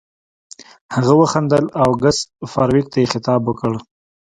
هغه وخندل او ګس فارویک ته یې خطاب وکړ